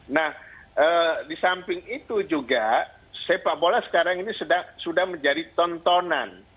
nah di samping itu juga sepak bola sekarang ini sudah menjadi tontonan